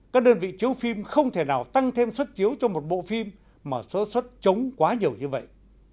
các đơn vị chiếu phim không thể nào tăng thêm xuất chiếu cho một bộ phim mà số xuất chống quá nhiều như vậy